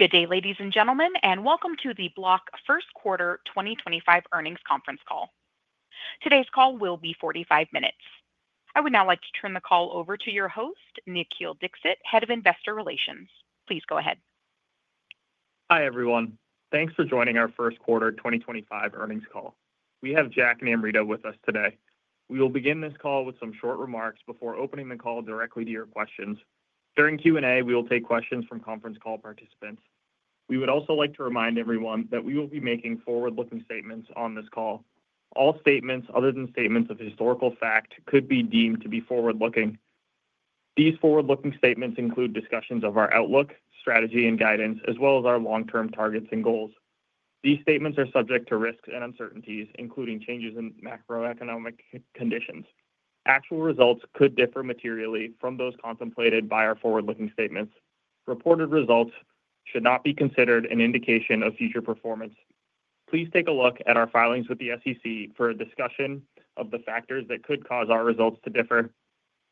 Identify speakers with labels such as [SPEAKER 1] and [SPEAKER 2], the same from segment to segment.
[SPEAKER 1] Good day, ladies and gentlemen, and welcome to the Block First Quarter 2025 Earnings Conference Call. Today's call will be 45 minutes. I would now like to turn the call over to your host, Nikhil Dixit, Head of Investor Relations. Please go ahead.
[SPEAKER 2] Hi everyone. Thanks for joining our First Quarter 2025 Earnings Call. We have Jack and Amrita with us today. We will begin this call with some short remarks before opening the call directly to your questions. During Q&A, we will take questions from conference call participants. We would also like to remind everyone that we will be making forward-looking statements on this call. All statements other than statements of historical fact could be deemed to be forward-looking. These forward-looking statements include discussions of our outlook, strategy, and guidance, as well as our long-term targets and goals. These statements are subject to risks and uncertainties, including changes in macroeconomic conditions. Actual results could differ materially from those contemplated by our forward-looking statements. Reported results should not be considered an indication of future performance. Please take a look at our filings with the SEC for a discussion of the factors that could cause our results to differ.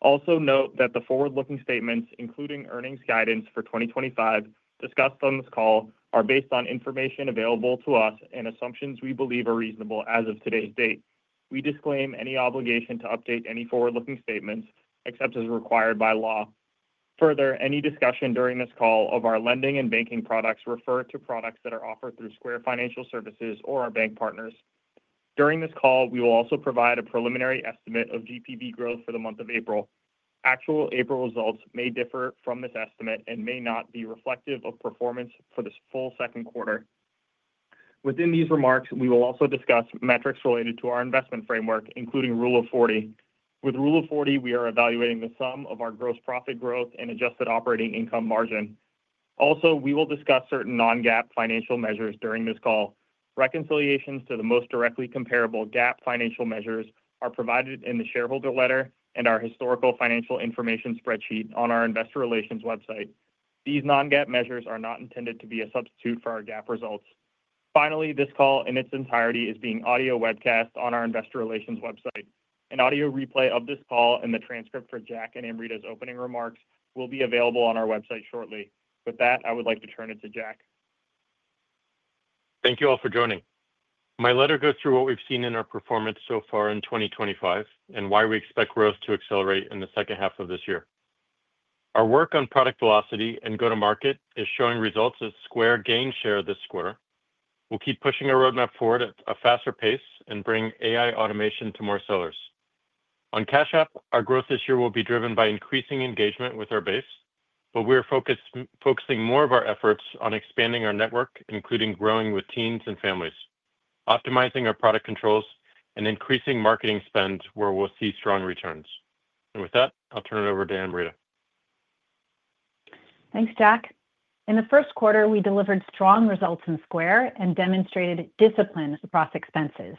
[SPEAKER 2] Also note that the forward-looking statements, including earnings guidance for 2025 discussed on this call, are based on information available to us and assumptions we believe are reasonable as of today's date. We disclaim any obligation to update any forward-looking statements except as required by law. Further, any discussion during this call of our lending and banking products refer to products that are offered through Square Financial Services or our bank partners. During this call, we will also provide a preliminary estimate of GPV growth for the month of April. Actual April results may differ from this estimate and may not be reflective of performance for the full second quarter. Within these remarks, we will also discuss metrics related to our investment framework, including Rule of 40. With Rule of 40, we are evaluating the sum of our gross profit growth and adjusted operating income margin. Also, we will discuss certain non-GAAP financial measures during this call. Reconciliations to the most directly comparable GAAP financial measures are provided in the shareholder letter and our historical financial information spreadsheet on our Investor Relations website. These non-GAAP measures are not intended to be a substitute for our GAAP results. Finally, this call in its entirety is being audio webcast on our Investor Relations website. An audio replay of this call and the transcript for Jack and Amrita's opening remarks will be available on our website shortly. With that, I would like to turn it to Jack.
[SPEAKER 3] Thank you all for joining. My letter goes through what we've seen in our performance so far in 2025 and why we expect growth to accelerate in the second half of this year. Our work on product velocity and go-to-market is showing results as Square gains share this quarter. We'll keep pushing our roadmap forward at a faster pace and bring AI automation to more sellers. On Cash App, our growth this year will be driven by increasing engagement with our base, but we are focusing more of our efforts on expanding our network, including growing with teens and families, optimizing our product controls, and increasing marketing spend where we'll see strong returns. With that, I'll turn it over to Amrita.
[SPEAKER 4] Thanks, Jack. In the first quarter, we delivered strong results in Square and demonstrated discipline across expenses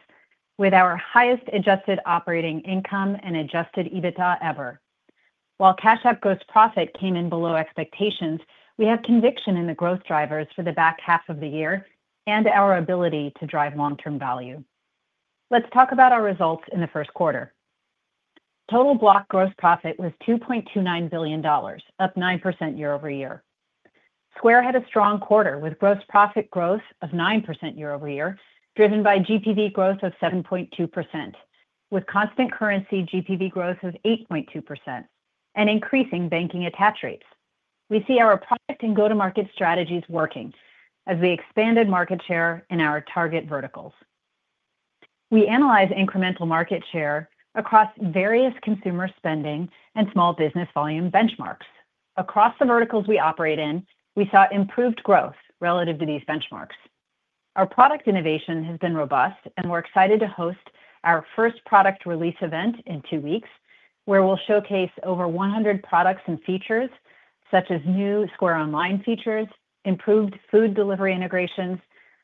[SPEAKER 4] with our highest adjusted operating income and adjusted EBITDA ever. While Cash App gross profit came in below expectations, we have conviction in the growth drivers for the back half of the year and our ability to drive long-term value. Let's talk about our results in the first quarter. Total Block gross profit was $2.29 billion, up 9% year-over-year. Square had a strong quarter with gross profit growth of 9% year-over-year, driven by GPV growth of 7.2%, with constant currency GPV growth of 8.2%, and increasing banking attach rates. We see our product and go-to-market strategies working as we expanded market share in our target verticals. We analyze incremental market share across various consumer spending and small business volume benchmarks. Across the verticals we operate in, we saw improved growth relative to these benchmarks. Our product innovation has been robust, and we're excited to host our first product release event in two weeks, where we'll showcase over 100 products and features, such as new Square Online features, improved food delivery integrations,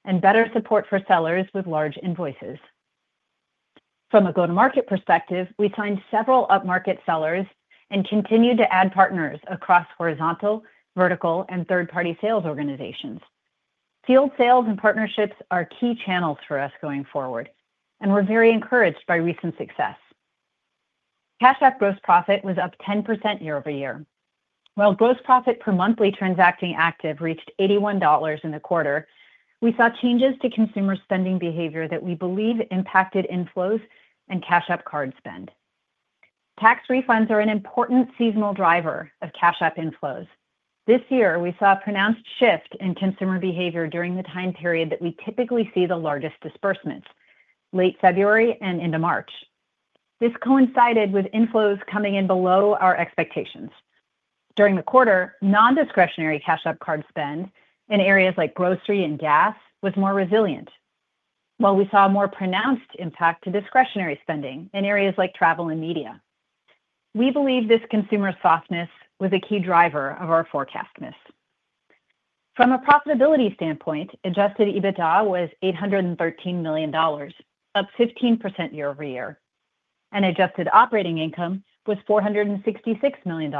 [SPEAKER 4] and better support for sellers with large invoices. From a go-to-market perspective, we signed several up-market sellers and continue to add partners across horizontal, vertical, and third-party sales organizations. Field sales and partnerships are key channels for us going forward, and we're very encouraged by recent success. Cash App gross profit was up 10% year-over-year. While gross profit per monthly transacting active reached $81 in the quarter, we saw changes to consumer spending behavior that we believe impacted inflows and Cash App card spend. Tax refunds are an important seasonal driver of Cash App inflows. This year, we saw a pronounced shift in consumer behavior during the time period that we typically see the largest disbursements, late February and into March. This coincided with inflows coming in below our expectations. During the quarter, non-discretionary Cash App Card spend in areas like grocery and gas was more resilient, while we saw a more pronounced impact to discretionary spending in areas like travel and media. We believe this consumer softness was a key driver of our forecast miss. From a profitability standpoint, adjusted EBITDA was $813 million, up 15% year-over-year, and adjusted operating income was $466 million,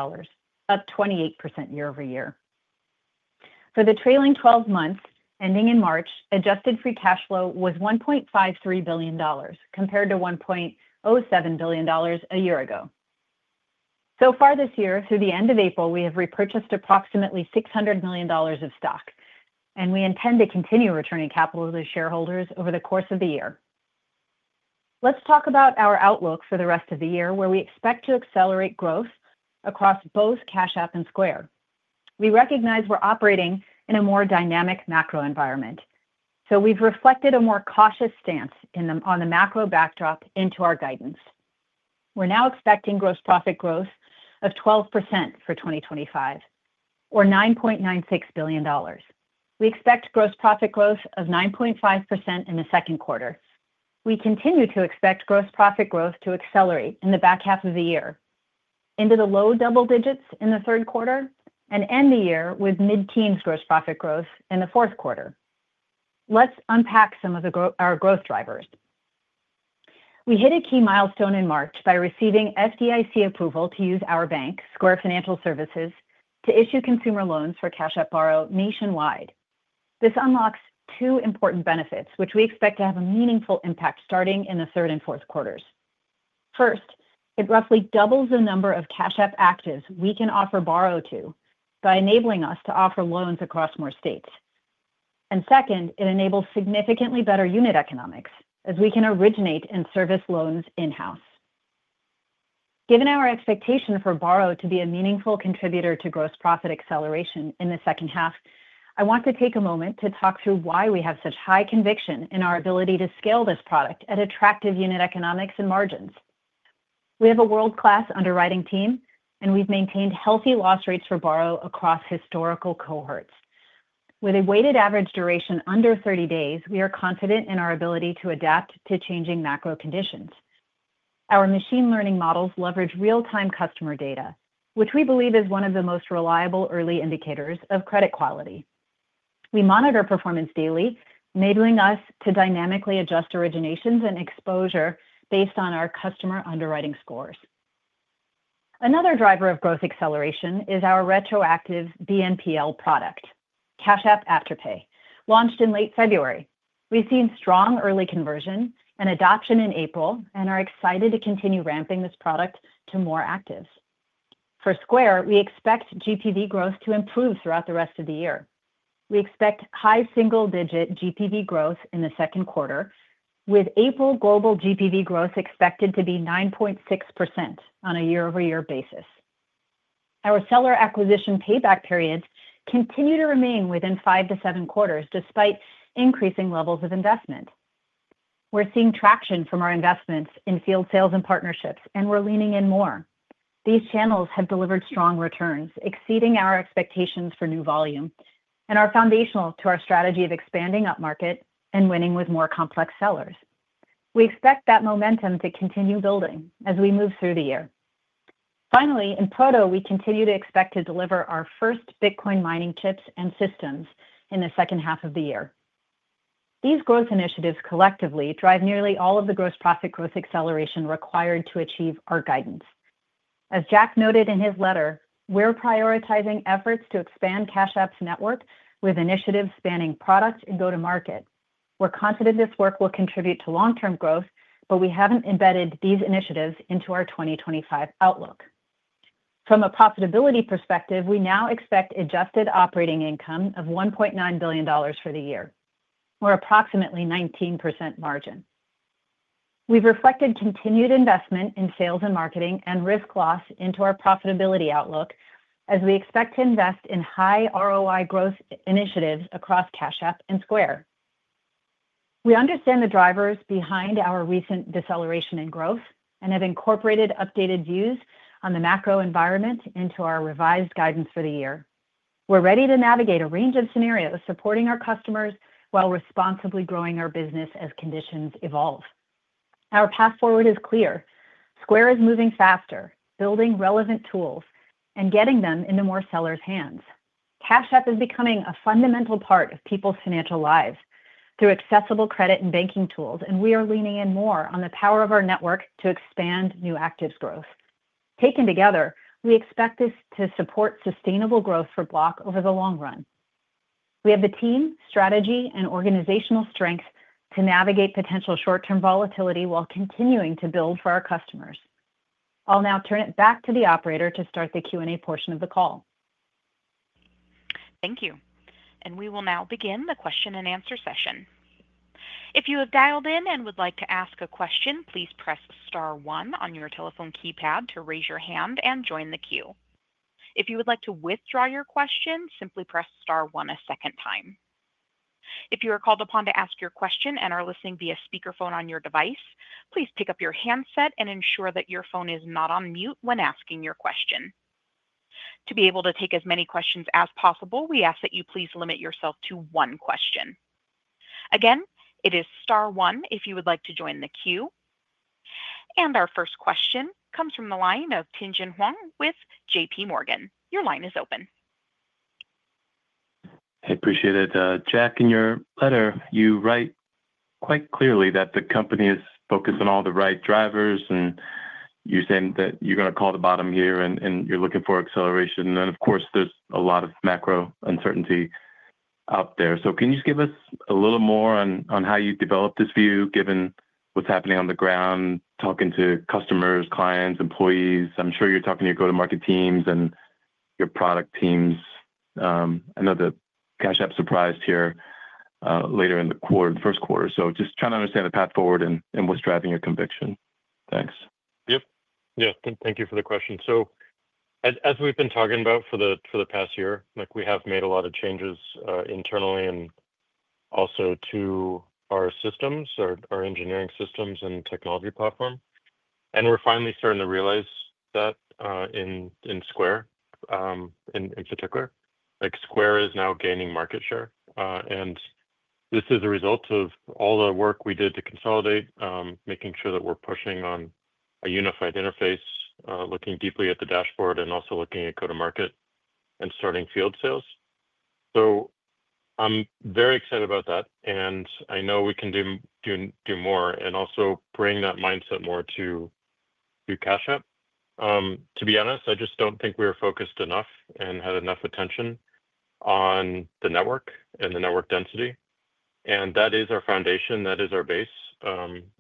[SPEAKER 4] up 28% year-over-year. For the trailing 12 months ending in March, adjusted free cash flow was $1.53 billion, compared to $1.07 billion a year ago. So far this year, through the end of April, we have repurchased approximately $600 million of stock, and we intend to continue returning capital to shareholders over the course of the year. Let's talk about our outlook for the rest of the year, where we expect to accelerate growth across both Cash App and Square. We recognize we're operating in a more dynamic macro environment, so we've reflected a more cautious stance on the macro backdrop into our guidance. We're now expecting gross profit growth of 12% for 2025, or $9.96 billion. We expect gross profit growth of 9.5% in the second quarter. We continue to expect gross profit growth to accelerate in the back half of the year, into the low double digits in the third quarter, and end the year with mid-teens gross profit growth in the fourth quarter. Let's unpack some of our growth drivers. We hit a key milestone in March by receiving FDIC approval to use our bank, Square Financial Services, to issue consumer loans for Cash App Borrow nationwide. This unlocks two important benefits, which we expect to have a meaningful impact starting in the third and fourth quarters. First, it roughly doubles the number of Cash App actives we can offer Borrow to by enabling us to offer loans across more states. Second, it enables significantly better unit economics, as we can originate and service loans in-house. Given our expectation for Borrow to be a meaningful contributor to gross profit acceleration in the second half, I want to take a moment to talk through why we have such high conviction in our ability to scale this product at attractive unit economics and margins. We have a world-class underwriting team, and we've maintained healthy loss rates for Borrow across historical cohorts. With a weighted average duration under 30 days, we are confident in our ability to adapt to changing macro conditions. Our machine learning models leverage real-time customer data, which we believe is one of the most reliable early indicators of credit quality. We monitor performance daily, enabling us to dynamically adjust originations and exposure based on our customer underwriting scores. Another driver of growth acceleration is our retroactive BNPL product, Cash App Afterpay, launched in late February. We've seen strong early conversion and adoption in April and are excited to continue ramping this product to more actives. For Square, we expect GPV growth to improve throughout the rest of the year. We expect high single-digit GPV growth in the second quarter, with April global GPV growth expected to be 9.6% on a year-over-year basis. Our seller acquisition payback periods continue to remain within five to seven quarters despite increasing levels of investment. We're seeing traction from our investments in field sales and partnerships, and we're leaning in more. These channels have delivered strong returns, exceeding our expectations for new volume, and are foundational to our strategy of expanding up-market and winning with more complex sellers. We expect that momentum to continue building as we move through the year. Finally, in Proto, we continue to expect to deliver our first Bitcoin mining chips and systems in the second half of the year. These growth initiatives collectively drive nearly all of the gross profit growth acceleration required to achieve our guidance. As Jack noted in his letter, we're prioritizing efforts to expand Cash App's network with initiatives spanning product and go-to-market. We're confident this work will contribute to long-term growth, but we haven't embedded these initiatives into our 2025 outlook. From a profitability perspective, we now expect adjusted operating income of $1.9 billion for the year, or approximately 19% margin. We've reflected continued investment in sales and marketing and risk loss into our profitability outlook as we expect to invest in high ROI growth initiatives across Cash App and Square. We understand the drivers behind our recent deceleration in growth and have incorporated updated views on the macro environment into our revised guidance for the year. We're ready to navigate a range of scenarios supporting our customers while responsibly growing our business as conditions evolve. Our path forward is clear. Square is moving faster, building relevant tools, and getting them into more sellers' hands. Cash App is becoming a fundamental part of people's financial lives through accessible credit and banking tools, and we are leaning in more on the power of our network to expand new actives growth. Taken together, we expect this to support sustainable growth for Block over the long run. We have the team, strategy, and organizational strength to navigate potential short-term volatility while continuing to build for our customers. I'll now turn it back to the operator to start the Q&A portion of the call.
[SPEAKER 1] Thank you. We will now begin the question-and-answer session. If you have dialed in and would like to ask a question, please press star one on your telephone keypad to raise your hand and join the queue. If you would like to withdraw your question, simply press star one a second time. If you are called upon to ask your question and are listening via speakerphone on your device, please pick up your handset and ensure that your phone is not on mute when asking your question. To be able to take as many questions as possible, we ask that you please limit yourself to one question. Again, it is star one if you would like to join the queue. Our first question comes from the line of Tien-Tsin Huang with J.P. Morgan. Your line is open.
[SPEAKER 5] I appreciate it. Jack, in your letter, you write quite clearly that the company is focused on all the right drivers, and you're saying that you're going to call the bottom here and you're looking for acceleration. Of course, there's a lot of macro uncertainty out there. Can you just give us a little more on how you developed this view, given what's happening on the ground, talking to customers, clients, employees? I'm sure you're talking to your go-to-market teams and your product teams. I know that Cash App surprised here later in the quarter, the first quarter. Just trying to understand the path forward and what's driving your conviction. Thanks.
[SPEAKER 3] Yep. Yeah. Thank you for the question. As we've been talking about for the past year, we have made a lot of changes internally and also to our systems, our engineering systems and technology platform. We're finally starting to realize that in Square, in particular. Square is now gaining market share. This is a result of all the work we did to consolidate, making sure that we're pushing on a unified interface, looking deeply at the dashboard and also looking at go-to-market and starting field sales. I'm very excited about that. I know we can do more and also bring that mindset more to Cash App. To be honest, I just don't think we were focused enough and had enough attention on the network and the network density. That is our foundation. That is our base.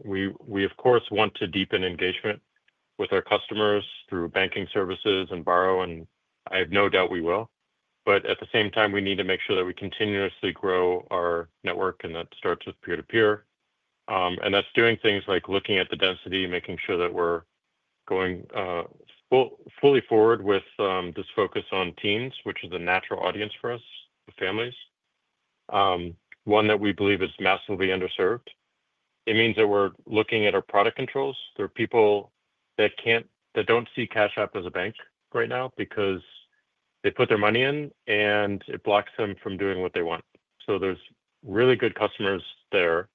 [SPEAKER 3] We, of course, want to deepen engagement with our customers through banking services and Borrow. I have no doubt we will. At the same time, we need to make sure that we continuously grow our network, and that starts with peer-to-peer. That is doing things like looking at the density, making sure that we're going fully forward with this focus on teens, which is a natural audience for us, the families, one that we believe is massively underserved. It means that we're looking at our product controls. There are people that do not see Cash App as a bank right now because they put their money in, and it blocks them from doing what they want. There are really good customers there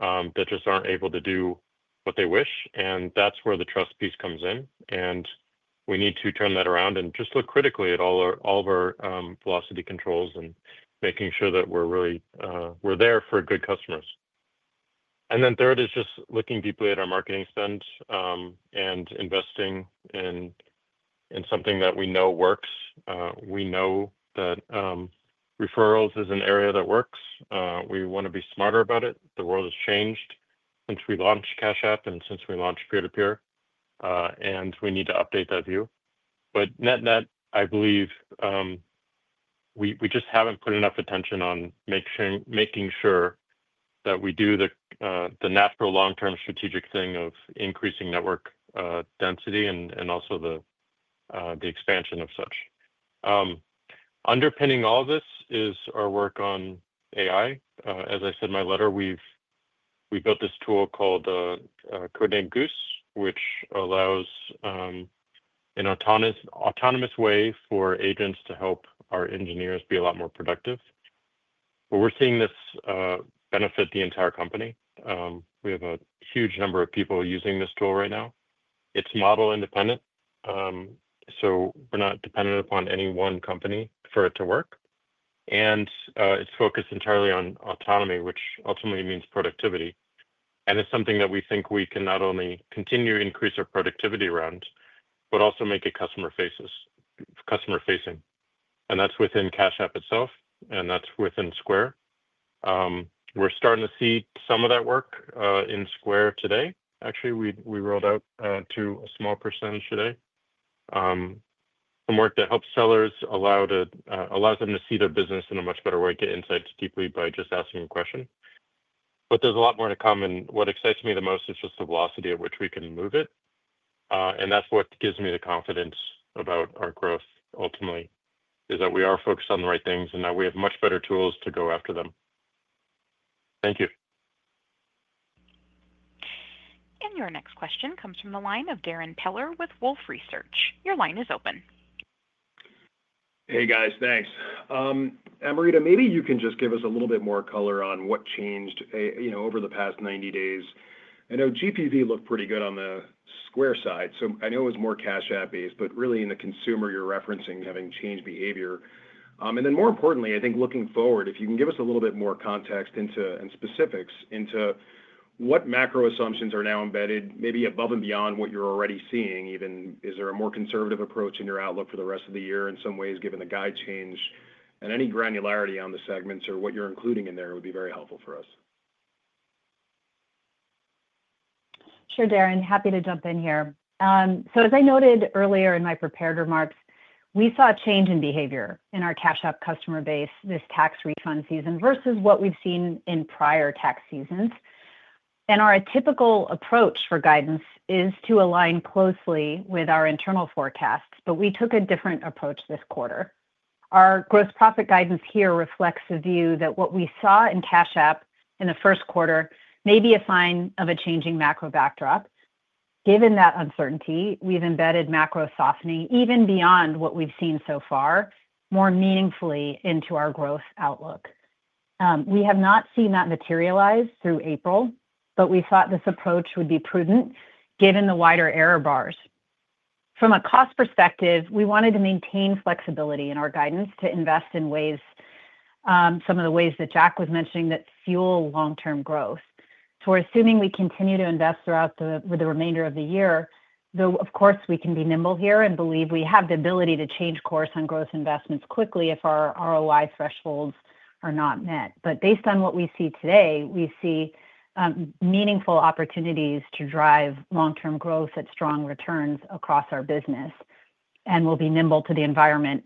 [SPEAKER 3] that just are not able to do what they wish. That is where the trust piece comes in. We need to turn that around and just look critically at all of our velocity controls and making sure that we're there for good customers. Third is just looking deeply at our marketing spend and investing in something that we know works. We know that referrals is an area that works. We want to be smarter about it. The world has changed since we launched Cash App and since we launched peer-to-peer. We need to update that view. Net-net, I believe we just haven't put enough attention on making sure that we do the natural long-term strategic thing of increasing network density and also the expansion of such. Underpinning all of this is our work on AI. As I said in my letter, we built this tool called Codename Goose, which allows an autonomous way for agents to help our engineers be a lot more productive. We are seeing this benefit the entire company. We have a huge number of people using this tool right now. It is model-independent. We are not dependent upon any one company for it to work. It is focused entirely on autonomy, which ultimately means productivity. It is something that we think we can not only continue to increase our productivity around, but also make it customer-facing. That is within Cash App itself, and that is within Square. We are starting to see some of that work in Square today. Actually, we rolled out to a small percentage today from work that helps sellers, allows them to see their business in a much better way, get insights deeply by just asking a question. There is a lot more to come. What excites me the most is just the velocity at which we can move it. That is what gives me the confidence about our growth ultimately, that we are focused on the right things and that we have much better tools to go after them.
[SPEAKER 5] Thank you.
[SPEAKER 1] Your next question comes from the line of Darrin Peller with Wolfe Research. Your line is open.
[SPEAKER 6] Hey, guys. Thanks. Amrita, maybe you can just give us a little bit more color on what changed over the past 90 days. I know GPV looked pretty good on the Square side. I know it was more Cash App-based, but really in the consumer you're referencing having changed behavior. More importantly, I think looking forward, if you can give us a little bit more context and specifics into what macro assumptions are now embedded, maybe above and beyond what you're already seeing, even is there a more conservative approach in your outlook for the rest of the year in some ways, given the guide change and any granularity on the segments or what you're including in there would be very helpful for us.
[SPEAKER 4] Sure, Darren. Happy to jump in here. As I noted earlier in my prepared remarks, we saw a change in behavior in our Cash App customer base this tax refund season versus what we've seen in prior tax seasons. Our typical approach for guidance is to align closely with our internal forecasts, but we took a different approach this quarter. Our gross profit guidance here reflects a view that what we saw in Cash App in the first quarter may be a sign of a changing macro backdrop. Given that uncertainty, we've embedded macro softening even beyond what we've seen so far more meaningfully into our growth outlook. We have not seen that materialize through April, but we thought this approach would be prudent given the wider error bars. From a cost perspective, we wanted to maintain flexibility in our guidance to invest in some of the ways that Jack was mentioning that fuel long-term growth. We are assuming we continue to invest throughout the remainder of the year. Though, of course, we can be nimble here and believe we have the ability to change course on growth investments quickly if our ROI thresholds are not met. Based on what we see today, we see meaningful opportunities to drive long-term growth at strong returns across our business and will be nimble to the environment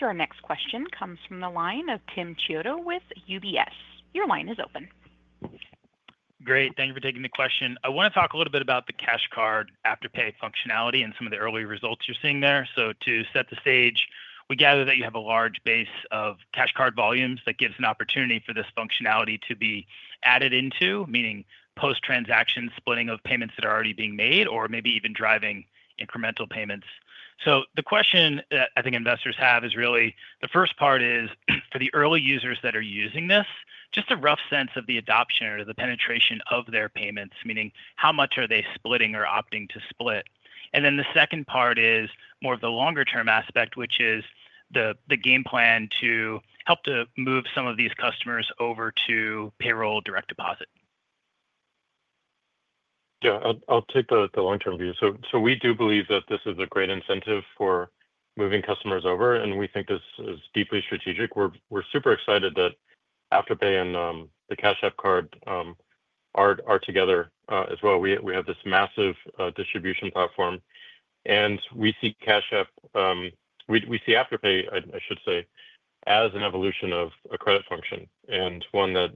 [SPEAKER 4] as it evolves.
[SPEAKER 1] Your next question comes from the line of Tim Chiodo with UBS. Your line is open.
[SPEAKER 7] Great. Thank you for taking the question. I want to talk a little bit about the Cash App Card Afterpay functionality and some of the early results you're seeing there. To set the stage, we gather that you have a large base of Cash App Card volumes that gives an opportunity for this functionality to be added into, meaning post-transaction splitting of payments that are already being made or maybe even driving incremental payments. The question that I think investors have is really the first part is for the early users that are using this, just a rough sense of the adoption or the penetration of their payments, meaning how much are they splitting or opting to split. The second part is more of the longer-term aspect, which is the game plan to help to move some of these customers over to payroll direct deposit.
[SPEAKER 3] Yeah. I'll take the long-term view. We do believe that this is a great incentive for moving customers over, and we think this is deeply strategic. We're super excited that Afterpay and the Cash App Card are together as well. We have this massive distribution platform. We see Cash App, we see Afterpay, I should say, as an evolution of a credit function and one that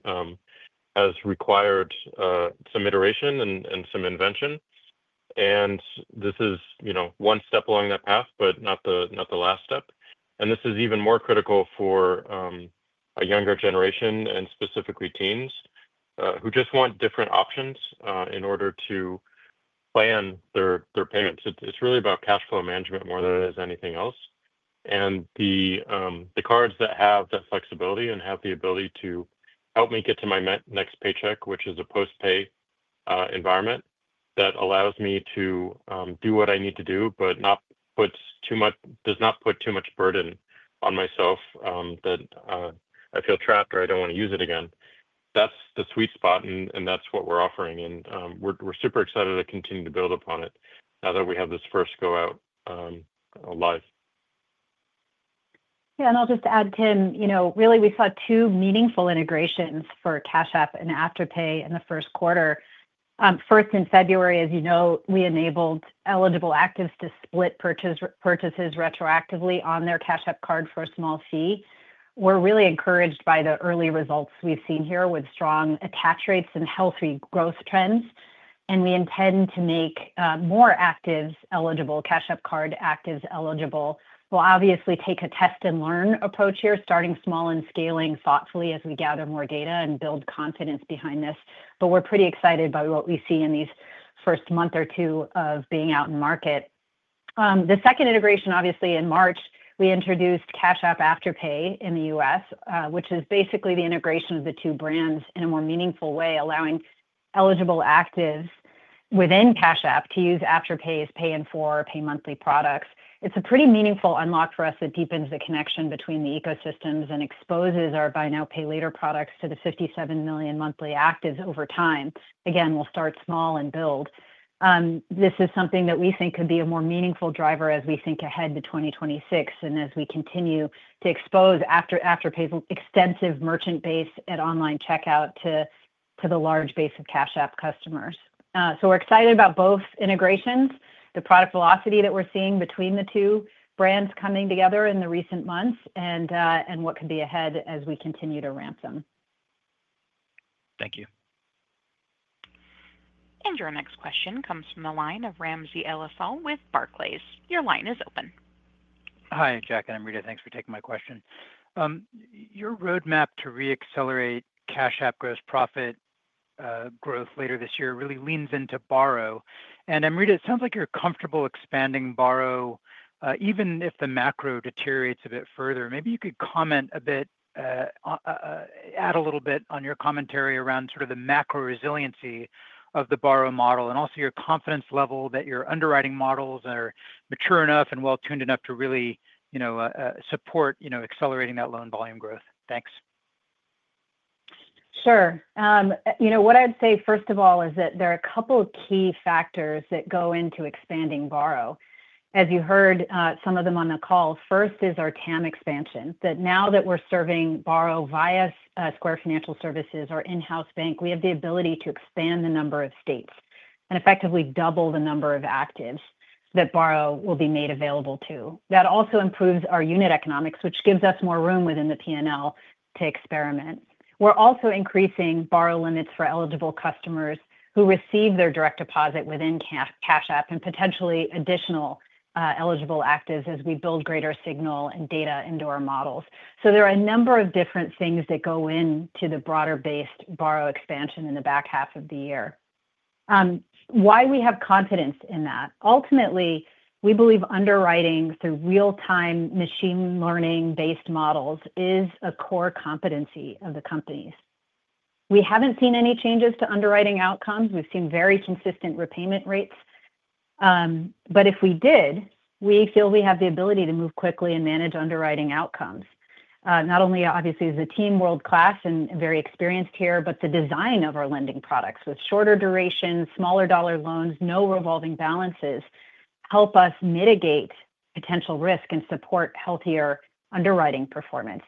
[SPEAKER 3] has required some iteration and some invention. This is one step along that path, but not the last step. This is even more critical for a younger generation and specifically teens who just want different options in order to plan their payments. It's really about cash flow management more than it is anything else. The cards that have that flexibility and have the ability to help me get to my next paycheck, which is a post-pay environment that allows me to do what I need to do, but does not put too much burden on myself that I feel trapped or I do not want to use it again. That is the sweet spot, and that is what we are offering. We are super excited to continue to build upon it now that we have this first go out live.
[SPEAKER 4] Yeah. I'll just add, Tim, really we saw two meaningful integrations for Cash App and Afterpay in the first quarter. First, in February, as you know, we enabled eligible actives to split purchases retroactively on their Cash App card for a small fee. We're really encouraged by the early results we've seen here with strong attach rates and healthy growth trends. We intend to make more actives eligible, Cash App card actives eligible. We'll obviously take a test-and-learn approach here, starting small and scaling thoughtfully as we gather more data and build confidence behind this. We're pretty excited by what we see in these first month or two of being out in market. The second integration, obviously, in March, we introduced Cash App Afterpay in the U.S., which is basically the integration of the two brands in a more meaningful way, allowing eligible actives within Cash App to use Afterpay as Pay in 4, Pay Monthly products. It's a pretty meaningful unlock for us that deepens the connection between the ecosystems and exposes our buy-now-pay-later products to the 57 million monthly actives over time. Again, we'll start small and build. This is something that we think could be a more meaningful driver as we think ahead to 2026 and as we continue to expose Afterpay's extensive merchant base at online checkout to the large base of Cash App customers. We are excited about both integrations, the product velocity that we're seeing between the two brands coming together in the recent months, and what could be ahead as we continue to ramp them.
[SPEAKER 7] Thank you.
[SPEAKER 1] Your next question comes from the line of Ramsey El-Assal with Barclays. Your line is open.
[SPEAKER 8] Hi, Jack and Amrita. Thanks for taking my question. Your roadmap to re-accelerate Cash App gross profit growth later this year really leans into Borrow. Amrita, it sounds like you're comfortable expanding Borrow even if the macro deteriorates a bit further. Maybe you could comment a bit, add a little bit on your commentary around sort of the macro resiliency of the Borrow model and also your confidence level that your underwriting models are mature enough and well-tuned enough to really support accelerating that loan volume growth. Thanks.
[SPEAKER 4] Sure. What I'd say, first of all, is that there are a couple of key factors that go into expanding Borrow. As you heard some of them on the call, first is our TAM expansion. That now that we're serving Borrow via Square Financial Services, our in-house bank, we have the ability to expand the number of states and effectively double the number of actives that Borrow will be made available to. That also improves our unit economics, which gives us more room within the P&L to experiment. We're also increasing Borrow limits for eligible customers who receive their direct deposit within Cash App and potentially additional eligible actives as we build greater signal and data into our models. There are a number of different things that go into the broader-based Borrow expansion in the back half of the year. Why we have confidence in that? Ultimately, we believe underwriting through real-time machine learning-based models is a core competency of the companies. We have not seen any changes to underwriting outcomes. We have seen very consistent repayment rates. If we did, we feel we have the ability to move quickly and manage underwriting outcomes. Not only obviously is the team world-class and very experienced here, but the design of our lending products with shorter durations, smaller dollar loans, no revolving balances help us mitigate potential risk and support healthier underwriting performance.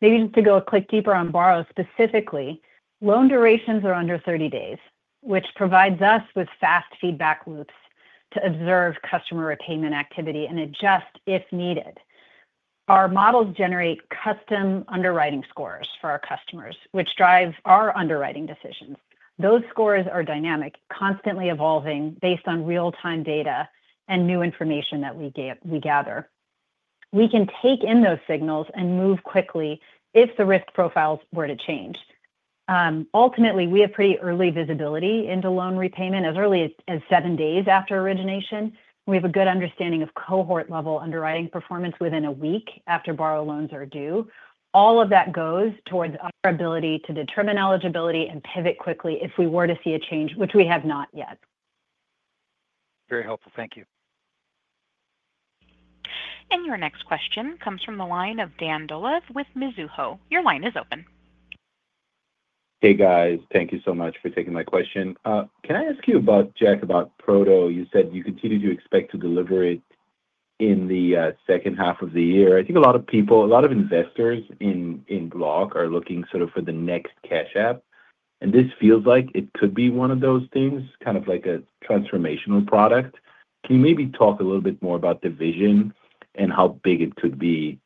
[SPEAKER 4] Maybe just to go a click deeper on Borrow specifically, loan durations are under 30 days, which provides us with fast feedback loops to observe customer repayment activity and adjust if needed. Our models generate custom underwriting scores for our customers, which drives our underwriting decisions. Those scores are dynamic, constantly evolving based on real-time data and new information that we gather. We can take in those signals and move quickly if the risk profiles were to change. Ultimately, we have pretty early visibility into loan repayment as early as seven days after origination. We have a good understanding of cohort-level underwriting performance within a week after Borrow loans are due. All of that goes towards our ability to determine eligibility and pivot quickly if we were to see a change, which we have not yet.
[SPEAKER 8] Very helpful. Thank you.
[SPEAKER 1] Your next question comes from the line of Dan Dolev with Mizuho. Your line is open.
[SPEAKER 9] Hey, guys. Thank you so much for taking my question. Can I ask you, Jack, about Proto? You said you continue to expect to deliver it in the second half of the year. I think a lot of people, a lot of investors in Block are looking sort of for the next Cash App. And this feels like it could be one of those things, kind of like a transformational product. Can you maybe talk a little bit more about the vision and how big it could be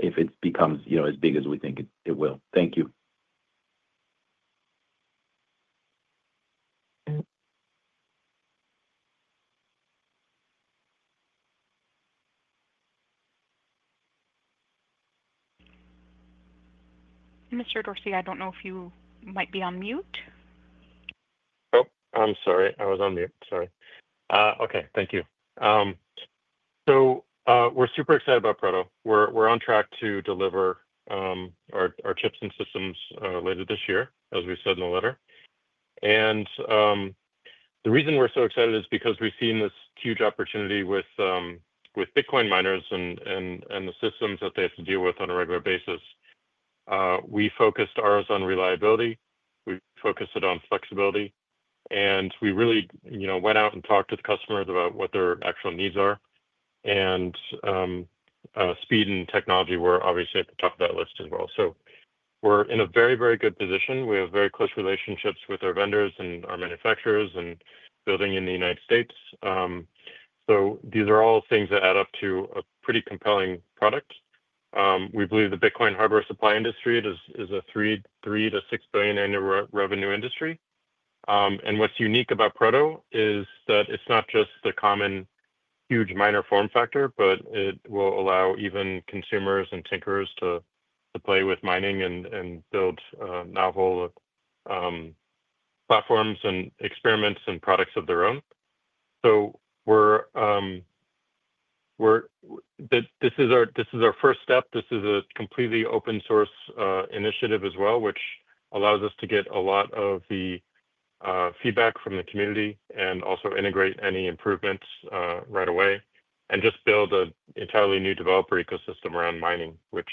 [SPEAKER 9] if it becomes as big as we think it will? Thank you.
[SPEAKER 1] Mr. Dorsey, I don't know if you might be on mute.
[SPEAKER 3] Oh, I'm sorry. I was on mute. Sorry. Okay. Thank you. We are super excited about Proto. We are on track to deliver our chips and systems later this year, as we said in the letter. The reason we are so excited is because we have seen this huge opportunity with Bitcoin miners and the systems that they have to deal with on a regular basis. We focused ours on reliability. We focused it on flexibility. We really went out and talked to the customers about what their actual needs are. Speed and technology were obviously at the top of that list as well. We are in a very, very good position. We have very close relationships with our vendors and our manufacturers and building in the United States. These are all things that add up to a pretty compelling product. We believe the Bitcoin hardware supply industry is a $3 billion-$6 billion annual revenue industry. What's unique about Proto is that it's not just the common huge miner form factor, but it will allow even consumers and tinkerers to play with mining and build novel platforms and experiments and products of their own. This is our first step. This is a completely open-source initiative as well, which allows us to get a lot of the feedback from the community and also integrate any improvements right away and just build an entirely new developer ecosystem around mining, which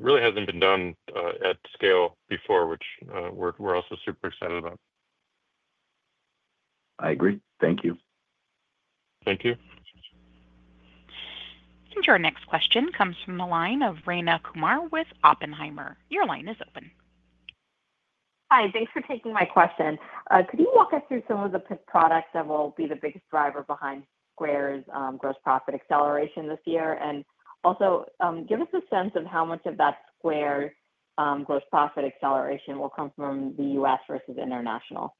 [SPEAKER 3] really hasn't been done at scale before, which we're also super excited about.
[SPEAKER 9] I agree. Thank you.
[SPEAKER 3] Thank you.
[SPEAKER 1] Your next question comes from the line of Rayna Kumar with Oppenheimer. Your line is open.
[SPEAKER 10] Hi. Thanks for taking my question. Could you walk us through some of the products that will be the biggest driver behind Square's gross profit acceleration this year? Also give us a sense of how much of that Square's gross profit acceleration will come from the U.S. versus international.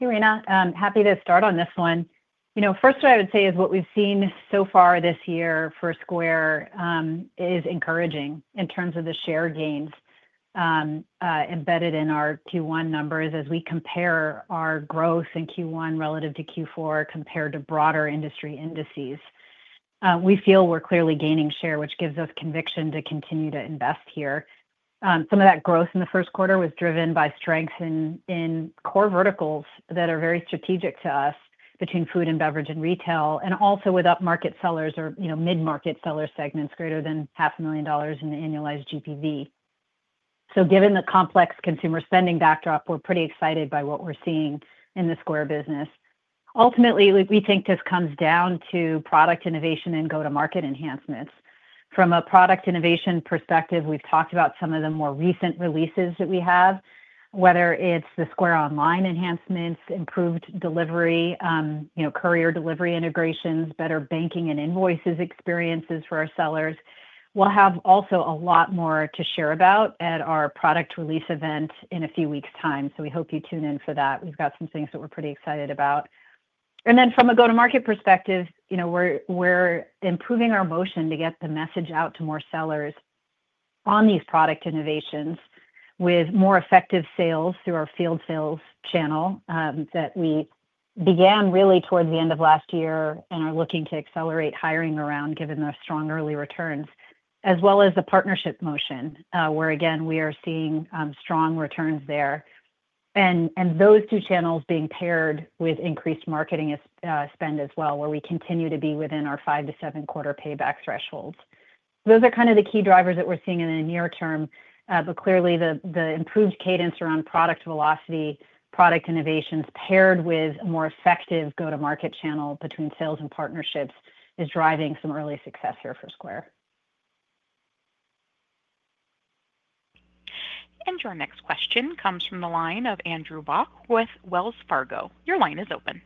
[SPEAKER 4] Hi, Rayna. Happy to start on this one. First, what I would say is what we've seen so far this year for Square is encouraging in terms of the share gains embedded in our Q1 numbers as we compare our growth in Q1 relative to Q4 compared to broader industry indices. We feel we're clearly gaining share, which gives us conviction to continue to invest here. Some of that growth in the first quarter was driven by strength in core verticals that are very strategic to us between food and beverage and retail, and also with up-market sellers or mid-market seller segments greater than $500,000 in annualized GPV. Given the complex consumer spending backdrop, we're pretty excited by what we're seeing in the Square business. Ultimately, we think this comes down to product innovation and go-to-market enhancements. From a product innovation perspective, we've talked about some of the more recent releases that we have, whether it's the Square Online enhancements, improved delivery, courier delivery integrations, better banking and invoices experiences for our sellers. We will have also a lot more to share about at our product release event in a few weeks' time. We hope you tune in for that. We've got some things that we're pretty excited about. From a go-to-market perspective, we're improving our motion to get the message out to more sellers on these product innovations with more effective sales through our field sales channel that we began really towards the end of last year and are looking to accelerate hiring around given the strong early returns, as well as the partnership motion where, again, we are seeing strong returns there. Those two channels being paired with increased marketing spend as well where we continue to be within our five- to seven-quarter payback thresholds. Those are kind of the key drivers that we're seeing in the near term. Clearly, the improved cadence around product velocity, product innovations paired with a more effective go-to-market channel between sales and partnerships is driving some early success here for Square.
[SPEAKER 1] Your next question comes from the line of Andrew Bauch with Wells Fargo. Your line is open.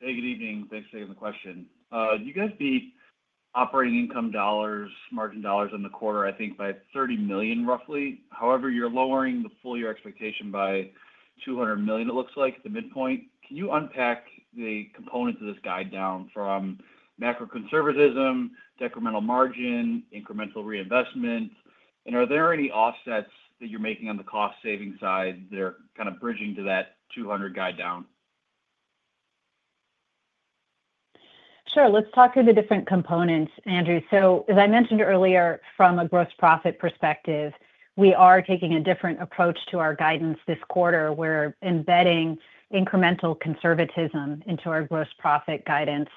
[SPEAKER 11] Hey, good evening. Thanks for taking the question. You guys beat operating income dollars, margin dollars in the quarter, I think, by $30 million roughly. However, you're lowering the full year expectation by $200 million, it looks like, the midpoint. Can you unpack the components of this guide down from macro-conservatism, decremental margin, incremental reinvestment? Are there any offsets that you're making on the cost-saving side that are kind of bridging to that $200 million guide down?
[SPEAKER 4] Sure. Let's talk through the different components, Andrew. As I mentioned earlier, from a gross profit perspective, we are taking a different approach to our guidance this quarter. We are embedding incremental conservatism into our gross profit guidance,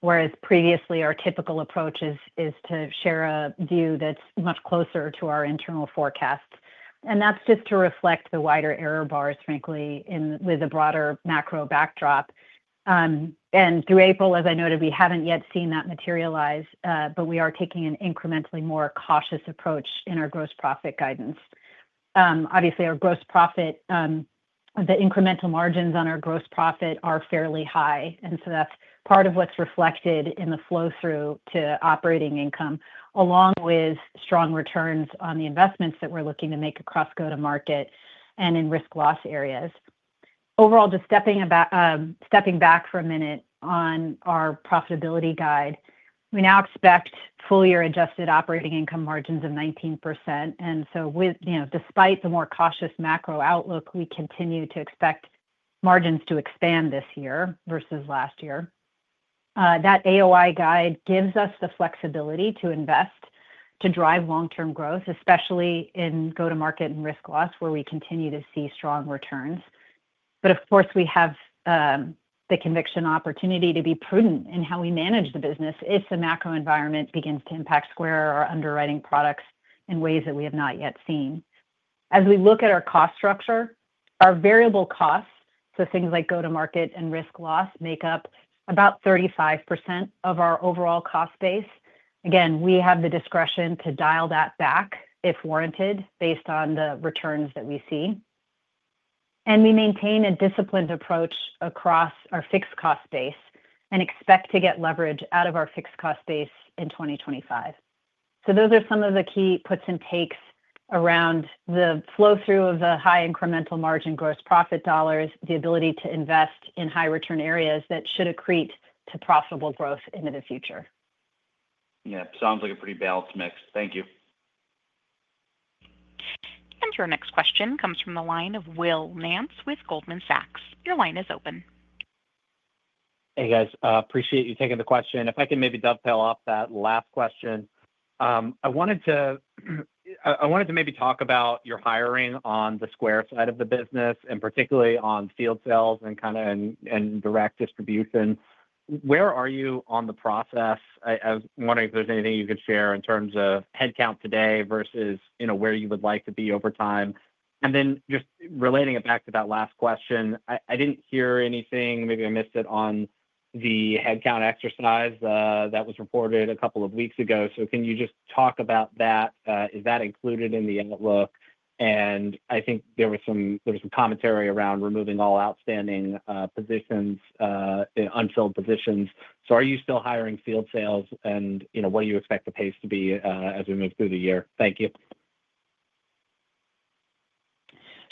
[SPEAKER 4] whereas previously our typical approach is to share a view that's much closer to our internal forecasts. That is just to reflect the wider error bars, frankly, with a broader macro backdrop. Through April, as I noted, we haven't yet seen that materialize, but we are taking an incrementally more cautious approach in our gross profit guidance. Obviously, our gross profit, the incremental margins on our gross profit are fairly high. That is part of what's reflected in the flow-through to operating income, along with strong returns on the investments that we're looking to make across go-to-market and in risk-loss areas. Overall, just stepping back for a minute on our profitability guide, we now expect full-year adjusted operating income margins of 19%. Despite the more cautious macro outlook, we continue to expect margins to expand this year versus last year. That AOI guide gives us the flexibility to invest to drive long-term growth, especially in go-to-market and risk-loss where we continue to see strong returns. Of course, we have the conviction opportunity to be prudent in how we manage the business if the macro environment begins to impact Square or underwriting products in ways that we have not yet seen. As we look at our cost structure, our variable costs, so things like go-to-market and risk-loss make up about 35% of our overall cost base. Again, we have the discretion to dial that back if warranted based on the returns that we see. We maintain a disciplined approach across our fixed cost base and expect to get leverage out of our fixed cost base in 2025. Those are some of the key puts and takes around the flow-through of the high incremental margin gross profit dollars, the ability to invest in high-return areas that should accrete to profitable growth into the future.
[SPEAKER 11] Yeah. Sounds like a pretty balanced mix. Thank you.
[SPEAKER 1] Your next question comes from the line of Will Nance with Goldman Sachs. Your line is open.
[SPEAKER 12] Hey, guys. Appreciate you taking the question. If I can maybe dovetail off that last question, I wanted to maybe talk about your hiring on the Square side of the business, and particularly on field sales and kind of direct distribution. Where are you on the process? I was wondering if there's anything you could share in terms of headcount today versus where you would like to be over time. Just relating it back to that last question, I didn't hear anything. Maybe I missed it on the headcount exercise that was reported a couple of weeks ago. Can you just talk about that? Is that included in the outlook? I think there was some commentary around removing all outstanding positions, unfilled positions. Are you still hiring field sales, and what do you expect the pace to be as we move through the year? Thank you.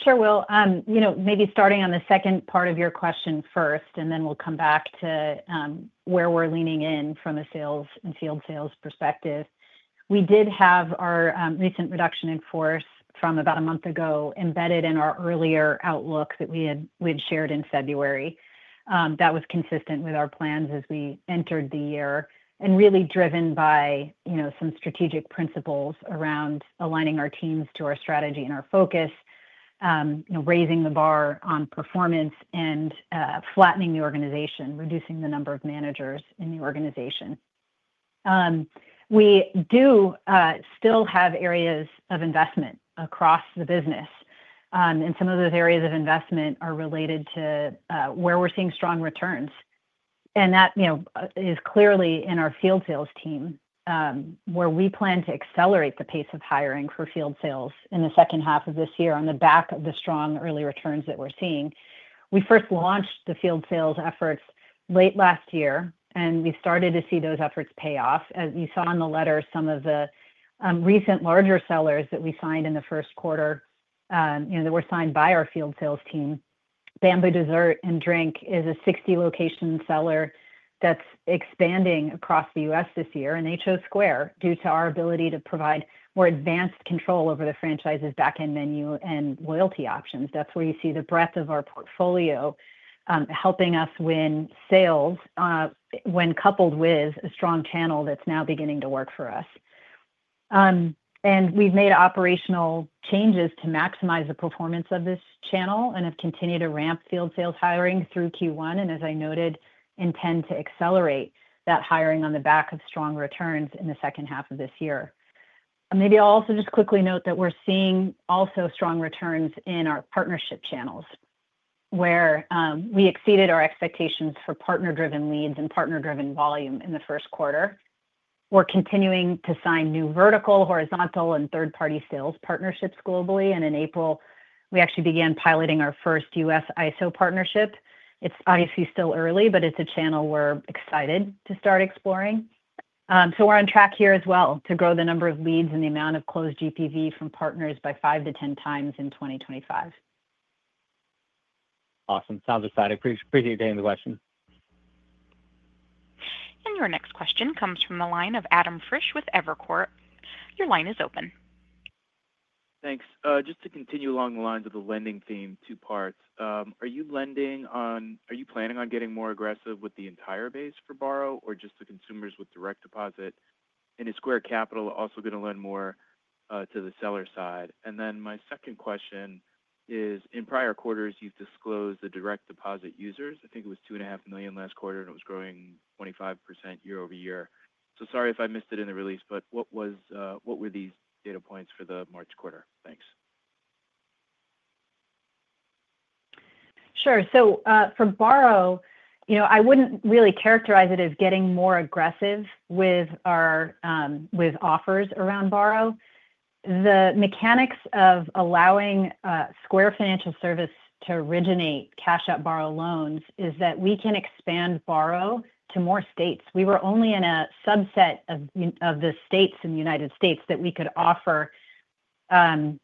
[SPEAKER 4] Sure. Maybe starting on the second part of your question first, and then we'll come back to where we're leaning in from a sales and field sales perspective. We did have our recent reduction in force from about a month ago embedded in our earlier outlook that we had shared in February. That was consistent with our plans as we entered the year and really driven by some strategic principles around aligning our teams to our strategy and our focus, raising the bar on performance, and flattening the organization, reducing the number of managers in the organization. We do still have areas of investment across the business. Some of those areas of investment are related to where we're seeing strong returns. That is clearly in our field sales team where we plan to accelerate the pace of hiring for field sales in the second half of this year on the back of the strong early returns that we're seeing. We first launched the field sales efforts late last year, and we started to see those efforts pay off. As you saw in the letter, some of the recent larger sellers that we signed in the first quarter that were signed by our field sales team, Bambū Desserts & Drink is a 60-location seller that's expanding across the U.S. this year and chose Square due to our ability to provide more advanced control over the franchises' backend menu and loyalty options. That's where you see the breadth of our portfolio helping us win sales when coupled with a strong channel that's now beginning to work for us. We have made operational changes to maximize the performance of this channel and have continued to ramp field sales hiring through Q1. As I noted, we intend to accelerate that hiring on the back of strong returns in the second half of this year. I will also just quickly note that we are seeing strong returns in our partnership channels where we exceeded our expectations for partner-driven leads and partner-driven volume in the first quarter. We are continuing to sign new vertical, horizontal, and third-party sales partnerships globally. In April, we actually began piloting our first U.S. ISO partnership. It is obviously still early, but it is a channel we are excited to start exploring. We are on track here as well to grow the number of leads and the amount of closed GPV from partners by 5-10 times in 2025.
[SPEAKER 12] Awesome. Sounds exciting. Appreciate you taking the question.
[SPEAKER 1] Your next question comes from the line of Adam Frisch with Evercore. Your line is open.
[SPEAKER 13] Thanks. Just to continue along the lines of the lending theme, two parts. Are you planning on getting more aggressive with the entire base for Borrow or just the consumers with direct deposit? Is Square Capital also going to lend more to the seller side? My second question is, in prior quarters, you've disclosed the direct deposit users. I think it was two and a half million last quarter, and it was growing 25% year-over-year. Sorry if I missed it in the release, but what were these data points for the March quarter? Thanks.
[SPEAKER 4] Sure. For Borrow, I wouldn't really characterize it as getting more aggressive with offers around Borrow. The mechanics of allowing Square Financial Services to originate Cash App Borrow loans is that we can expand Borrow to more states. We were only in a subset of the states in the United States that we could offer Borrow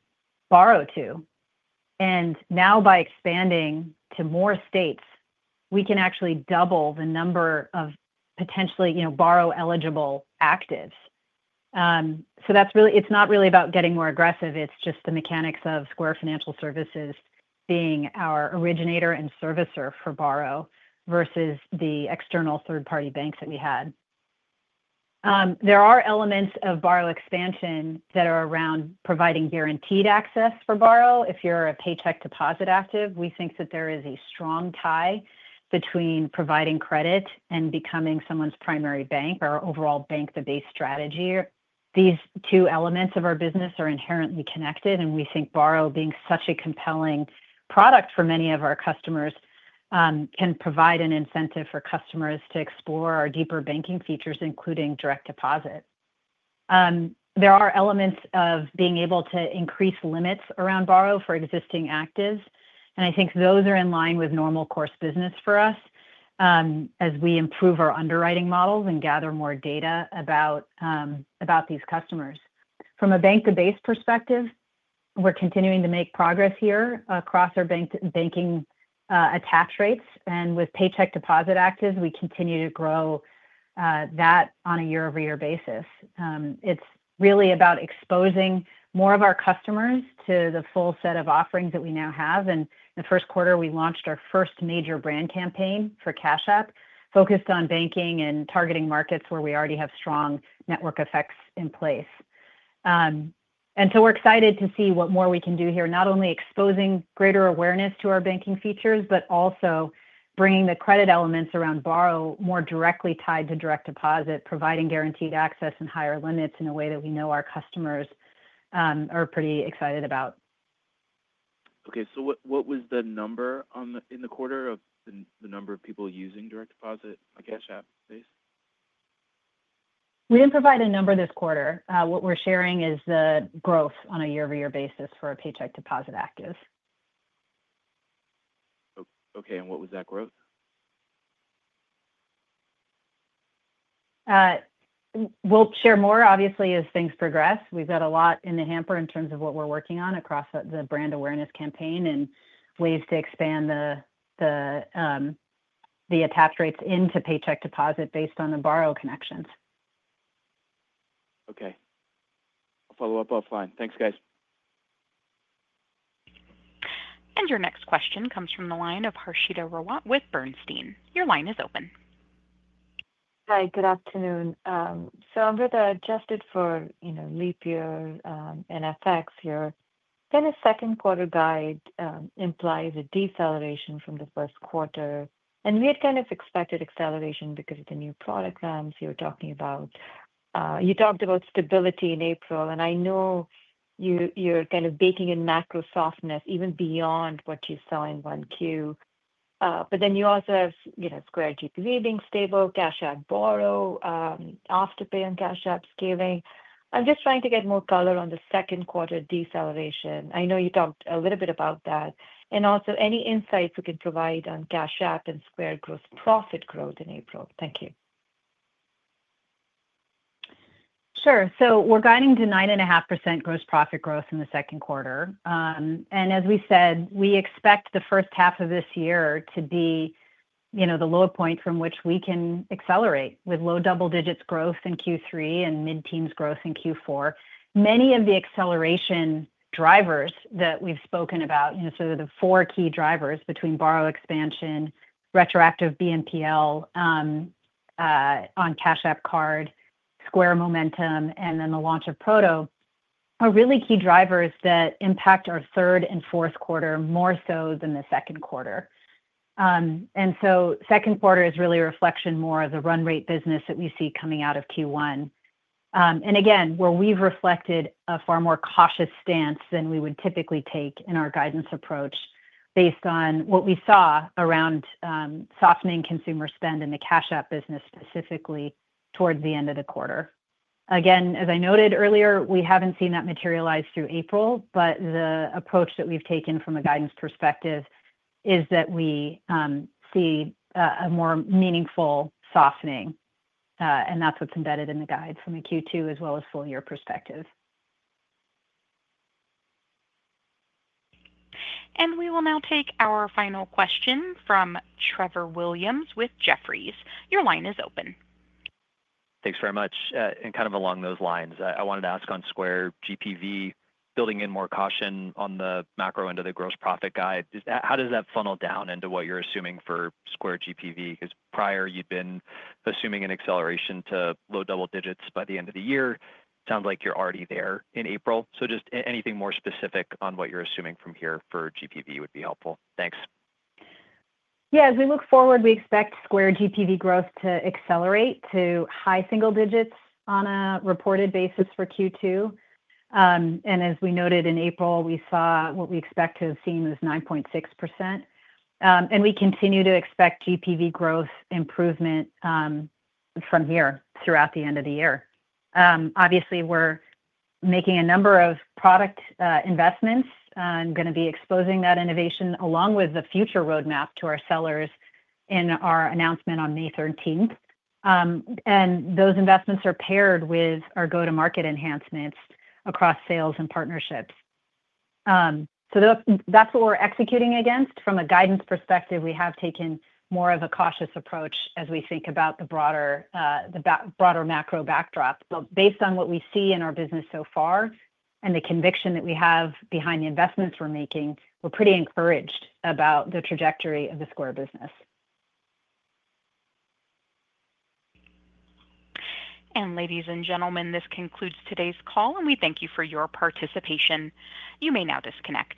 [SPEAKER 4] to. Now, by expanding to more states, we can actually double the number of potentially Borrow-eligible actives. It's not really about getting more aggressive. It's just the mechanics of Square Financial Services being our originator and servicer for Borrow versus the external third-party banks that we had. There are elements of Borrow expansion that are around providing guaranteed access for Borrow. If you're a paycheck deposit active, we think that there is a strong tie between providing credit and becoming someone's primary bank or overall bank-the-base strategy. These two elements of our business are inherently connected, and we think Borrow, being such a compelling product for many of our customers, can provide an incentive for customers to explore our deeper banking features, including direct deposit. There are elements of being able to increase limits around Borrow for existing actives. I think those are in line with normal course business for us as we improve our underwriting models and gather more data about these customers. From a bank-the-base perspective, we are continuing to make progress here across our banking attach rates. With paycheck deposit actives, we continue to grow that on a year-over-year basis. It is really about exposing more of our customers to the full set of offerings that we now have. In the first quarter, we launched our first major brand campaign for Cash App focused on banking and targeting markets where we already have strong network effects in place. We are excited to see what more we can do here, not only exposing greater awareness to our banking features, but also bringing the credit elements around Borrow more directly tied to direct deposit, providing guaranteed access and higher limits in a way that we know our customers are pretty excited about.
[SPEAKER 13] Okay. What was the number in the quarter of the number of people using direct deposit on Cash App base?
[SPEAKER 4] We didn't provide a number this quarter. What we're sharing is the growth on a year-over-year basis for our paycheck deposit actives.
[SPEAKER 13] Okay. What was that growth?
[SPEAKER 4] We'll share more, obviously, as things progress. We've got a lot in the hamper in terms of what we're working on across the brand awareness campaign and ways to expand the attach rates into paycheck deposit based on the Borrow connections.
[SPEAKER 13] Okay. I'll follow up offline. Thanks, guys.
[SPEAKER 1] Your next question comes from the line of Harshita Rawat with Bernstein. Your line is open.
[SPEAKER 14] Hi. Good afternoon. I'm with the adjusted for Leap Year and FX here. A second quarter guide implies a deceleration from the first quarter. We had kind of expected acceleration because of the new product rounds you were talking about. You talked about stability in April, and I know you're kind of baking in macro softness even beyond what you saw in 1Q. You also have Square GPV being stable, Cash App Borrow, Afterpay on Cash App scaling. I'm just trying to get more color on the second quarter deceleration. I know you talked a little bit about that. Also, any insights you can provide on Cash App and Square gross profit growth in April? Thank you.
[SPEAKER 4] Sure. We're guiding to 9.5% gross profit growth in the second quarter. As we said, we expect the first half of this year to be the low point from which we can accelerate with low double digits growth in Q3 and mid-teens growth in Q4. Many of the acceleration drivers that we've spoken about, sort of the four key drivers between Borrow expansion, retroactive BNPL on Cash App Card, Square momentum, and the launch of Proto are really key drivers that impact our third and fourth quarter more so than the second quarter. The second quarter is really a reflection more of the run rate business that we see coming out of Q1. We have reflected a far more cautious stance than we would typically take in our guidance approach based on what we saw around softening consumer spend in the Cash App business specifically towards the end of the quarter. As I noted earlier, we have not seen that materialize through April, but the approach that we have taken from a guidance perspective is that we see a more meaningful softening. That is what is embedded in the guide from a Q2 as well as full year perspective.
[SPEAKER 1] We will now take our final question from Trevor Williams with Jefferies. Your line is open.
[SPEAKER 15] Thanks very much. Kind of along those lines, I wanted to ask on Square GPV, building in more caution on the macro end of the gross profit guide, how does that funnel down into what you're assuming for Square GPV? Because prior, you'd been assuming an acceleration to low double digits by the end of the year. It sounds like you're already there in April. Just anything more specific on what you're assuming from here for GPV would be helpful. Thanks.
[SPEAKER 4] Yeah. As we look forward, we expect Square GPV growth to accelerate to high single digits on a reported basis for Q2. As we noted in April, we saw what we expect to have seen was 9.6%. We continue to expect GPV growth improvement from here throughout the end of the year. Obviously, we're making a number of product investments and going to be exposing that innovation along with the future roadmap to our sellers in our announcement on May 13th. Those investments are paired with our go-to-market enhancements across sales and partnerships. That's what we're executing against. From a guidance perspective, we have taken more of a cautious approach as we think about the broader macro backdrop. Based on what we see in our business so far and the conviction that we have behind the investments we're making, we're pretty encouraged about the trajectory of the Square business.
[SPEAKER 1] Ladies and gentlemen, this concludes today's call, and we thank you for your participation. You may now disconnect.